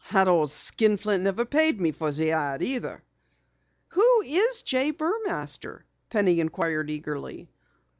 "The old skinflint never paid me for the ad either!" "Who is J. Burmaster?" Penny inquired eagerly.